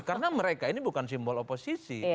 karena mereka ini bukan simbol oposisi